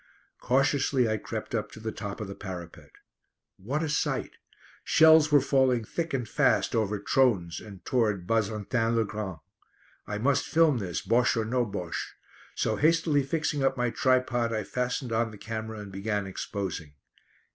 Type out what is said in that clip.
Cautiously I crept up to the top of the parapet! What a sight! Shells were falling thick and fast over Trones and towards Baentin le Grand. I must film this, Bosche or no Bosche! So hastily fixing up my tripod, I fastened on the camera and began exposing.